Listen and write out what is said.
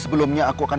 dan aku harap